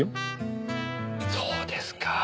そうですか。